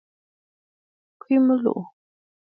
Kwɛ̀ʼɛ mɨlùʼù.